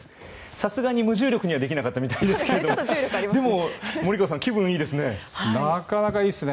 さすがに無重力にはできなかったみたいですけどでも気分いいですね。